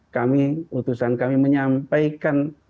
kami utusan kami menyampaikan